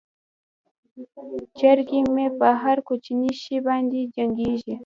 چرګې مې په هر کوچني شي باندې جنګیږي.